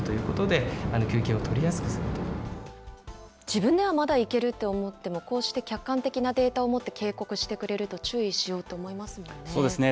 自分では、まだいけるって思っても、こうして客観的なデータをもって、警告してくれると注意しようと思いますもんね。